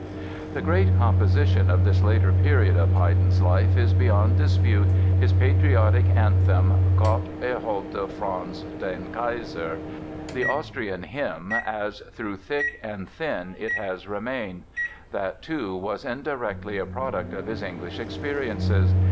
The great composition of this later period of Haydn's life is beyond dispute his patriotic anthem, "Gott erhalte Franz den Kaiser"—the Austrian hymn, as, through thick and thin, it has remained. That, too, was indirectly a product of his English experiences!